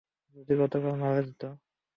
যদি গতকাল মারা যেতে?